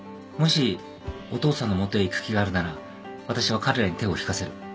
もしお父さんの元へ行く気があるなら私は彼らに手を引かせる。